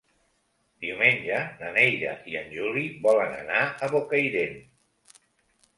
Diumenge na Neida i en Juli volen anar a Bocairent.